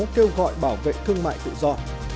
hai nghìn một mươi sáu kêu gọi bảo vệ thương mại tự do